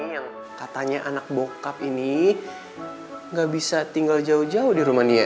yang katanya anak bokap ini nggak bisa tinggal jauh jauh di rumania